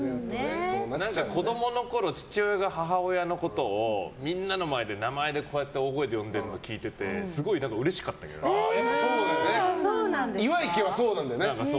子供のころ父親が母親のことをみんなの前で名前で大声で呼んでるの聞いてて岩井家はそうなんだよね。